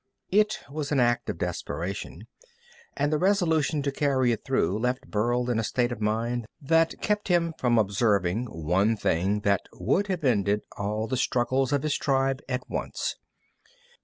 It was an act of desperation, and the resolution to carry it through left Burl in a state of mind that kept him from observing one thing that would have ended all the struggles of his tribe at once.